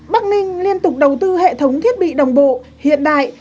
bắc ninh liên tục đầu tư hệ thống thiết bị đồng bộ hiện đại